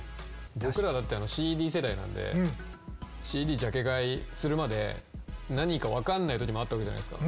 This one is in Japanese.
僕らだってＣＤ世代なんでＣＤジャケ買いするまで何か分かんない時もあったわけじゃないですか。